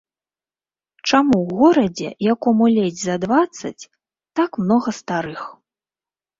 Чаму ў горадзе, якому ледзь за дваццаць, так многа старых?